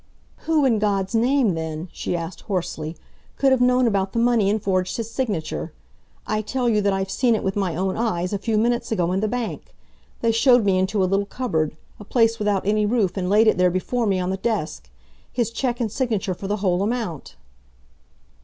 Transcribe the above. "Who in God's name, then," she asked hoarsely, "could have known about the money and forged his signature! I tell you that I've seen it with my own eyes, a few minutes ago, in the bank. They showed me into a little cupboard, a place without any roof, and laid it there before me on the desk his cheque and signature for the whole amount."